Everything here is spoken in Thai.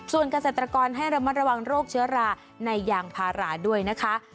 ส่วนเกษตรกรให้ระมัดระวังโรคเชื้อราในยางพาราด้วยนะคะ